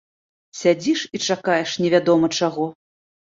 Сядзіш і чакаеш невядома чаго.